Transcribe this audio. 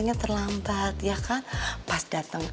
kamu pergunakan waktu itu